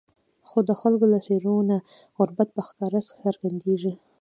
خو د خلکو له څېرو نه غربت په ښکاره څرګندېږي.